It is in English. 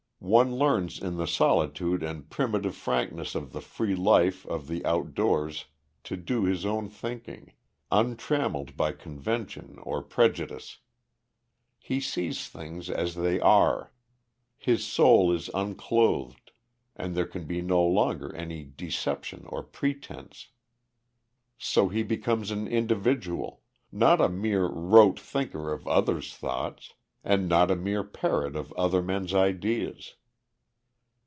One learns in the solitude and primitive frankness of the free life of the out doors to do his own thinking, untrammeled by convention or prejudice. He sees things as they are. His soul is unclothed, and there can no longer be any deception or pretense. So he becomes an individual; not a mere rote thinker of other's thoughts, and not a mere parrot of other men's ideas.